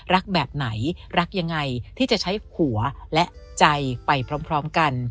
แบบไหนรักยังไงที่จะใช้หัวและใจไปพร้อมกัน